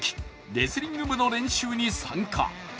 レスリング部の練習に参加。